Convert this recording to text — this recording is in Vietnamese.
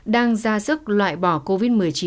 đang ra sức loại bỏ covid một mươi chín